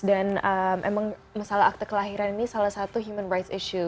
dan emang masalah akta kelahiran ini salah satu human rights issue